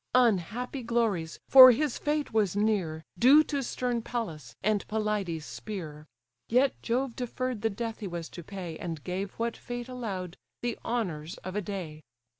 Unhappy glories! for his fate was near, Due to stern Pallas, and Pelides' spear: Yet Jove deferr'd the death he was to pay, And gave what fate allow'd, the honours of a day!